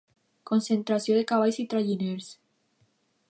Concentració de cavalls i traginers.